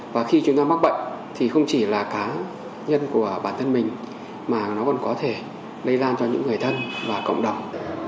và khi chúng ta mắc bệnh thì không chỉ là cá nhân của bản thân mình mà nó còn có thể lây lan cho những người thân và cộng đồng